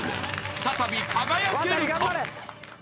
再び輝けるか？］